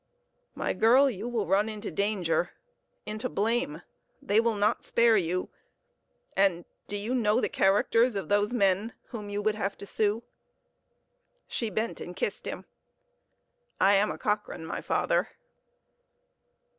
"My girl, you will run into danger into blame. They will not spare you, and do you know the characters of those men whom you would have to sue?" She bent and kissed him. "I am a Cochrane, my father."